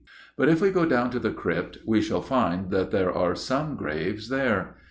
But if we go down to the crypt, we shall find that there are some graves there.